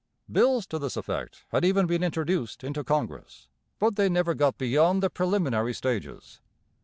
Bills to this effect had even been introduced into Congress; but they never got beyond the preliminary stages.